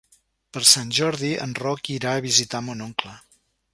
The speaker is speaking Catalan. Per Sant Jordi en Roc irà a visitar mon oncle.